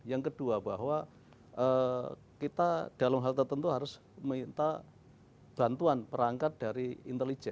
yang kedua bahwa kita dalam hal tertentu harus minta bantuan perangkat dari intelijen